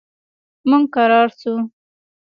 موږ کرار شو.